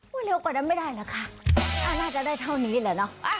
ว่าเร็วก่อนนั้นไม่ได้หรือคะน่าจะได้เท่านี้เลยเนอะ